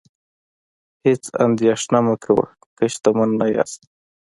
هیڅ اندیښنه مه کوئ که شتمن نه یاست.